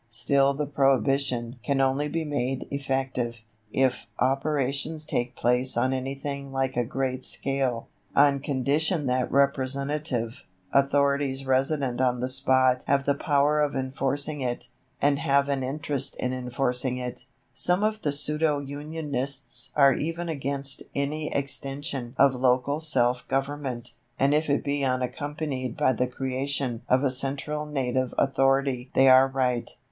Still the prohibition can only be made effective, if operations take place on anything like a great scale, on condition that representative, authorities resident on the spot have the power of enforcing it, and have an interest in enforcing it. Some of the pseudo Unionists are even against any extension of local self government, and if it be unaccompanied by the creation of a central native authority they are right.